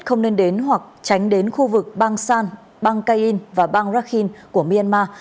không nên đến hoặc tránh đến khu vực bang san bang kain và bang rakhine của myanmar